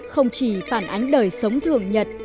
không chỉ phản ánh đời sống thường nhật